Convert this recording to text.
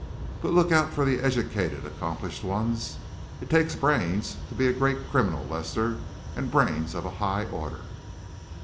But look out for the educated, accomplished ones. It takes brains to be a great criminal, Lester, and brains of a high order."